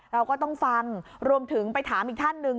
เราก็ต้องฟังรวมถึงไปถามอีกท่านหนึ่ง